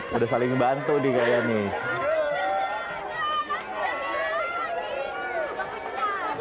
sudah saling bantu nih kayaknya